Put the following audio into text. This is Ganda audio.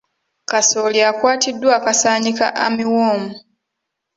Kasooli akwatiddwa akasaanyi ka armyworm.